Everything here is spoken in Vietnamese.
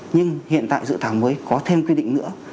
nhưng hiện tại dự thảo mới có thêm quy định nữa